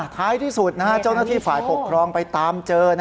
ท้ายที่สุดเจ้าหน้าที่ฝ่ายปกครองไปตามเจอ